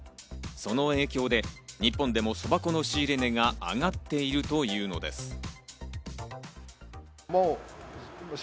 その影響で日本でも蕎麦粉の仕入れ値が上がっているというのです。